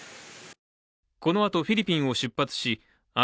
このあとフィリピンを出発し明日